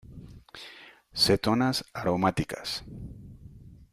Cetonas aromáticas.